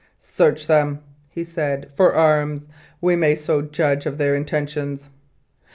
"Search them," he said, "for arms. We may so judge of their intentions."